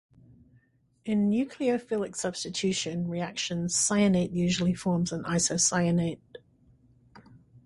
In nucleophilic substitution reactions cyanate usually forms an isocyanate.